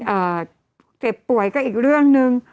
เอ่อเจ็บป่วยก็อีกเรื่องนึง